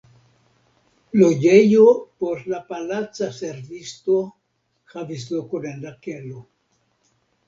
Loĝejo por la palaca servisto havis lokon en la kelo.